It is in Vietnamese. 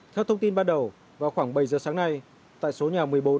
theo thông tin ban đầu vào khoảng bảy giờ sáng nay tại số nhà một mươi bốn